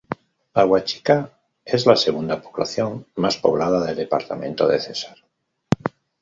Aguachica es la segunda población más poblada del departamento de Cesar.